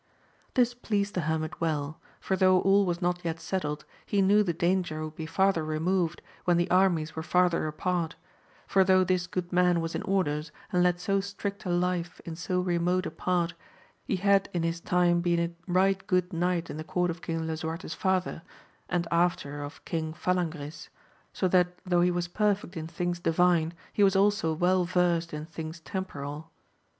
This pleased the hermit well ; for though all was not yet settled, he knew the danger would be farther removed, when the armies were far ther apart ; for though this good man was in orders, and led so strict a life in so remote a part, he had in his time been a right good knight in the court of King Lisuarte's father, and after of King Falangris, so that though he was perfect in things divine, he was also well versed in things temporal.